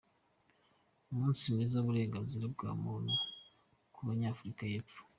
Umunsi mwiza w’uburenganzira bwa muntu kuba Nyafurika y’epfo.